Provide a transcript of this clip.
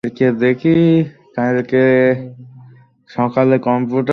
ওদেরকে হারিয়ে ফেলেছি, স্টিক!